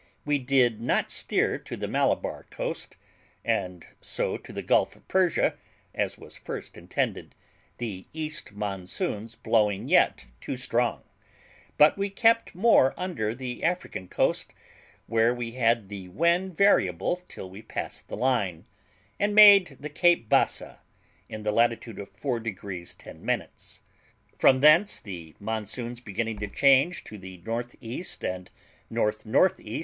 We did not steer to the Malabar coast, and so to the Gulf of Persia, as was first intended, the east monsoons blowing yet too strong, but we kept more under the African coast, where we had the wind variable till we passed the line, and made the Cape Bassa, in the latitude of four degrees ten minutes; from thence, the monsoons beginning to change to the N.E. and N.N.E.